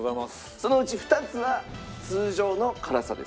そのうち２つは通常の辛さです。